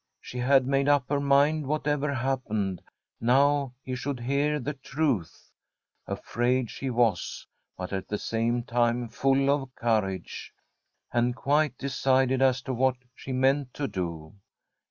She had made up her mind, whatever happened, now he should hear the truth. Afraid she was, but at the same time full of courage, and quite decided as to what she meant to do.